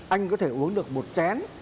anh có thể uống được một chén